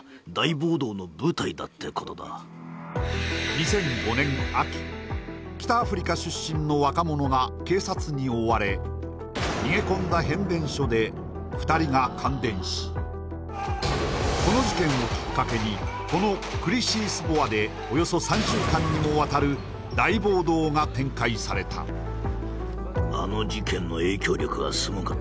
２００５年秋北アフリカ出身の若者が警察に追われ逃げ込んだこの事件をきっかけにこのクリシースボアでおよそ３週間にもわたる大暴動が展開されたそう